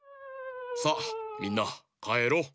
さあみんなかえろう。